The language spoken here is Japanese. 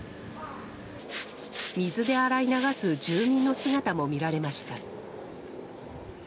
水で洗い流す住民の姿も見られました。